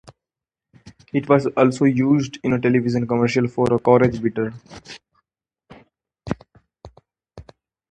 It was also used in a television commercial for Courage Bitter.